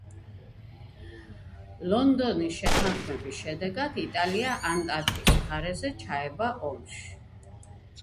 ლონდონის შეთანხმების შედეგად იტალია ანტანტის მხარეზე ჩაება ომში.